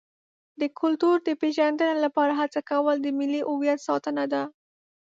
د کلتور د پیژندنې لپاره هڅه کول د ملي هویت ساتنه ده.